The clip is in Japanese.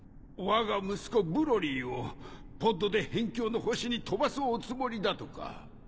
わが息子ブロリーをポッドで辺境の星に飛ばすおつもりだとか。